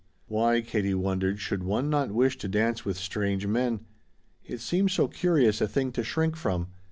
Why, Katie wondered, should one not wish to dance with "strange men." It seemed so curious a thing to shrink from.